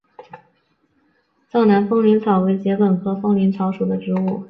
藏南风铃草为桔梗科风铃草属的植物。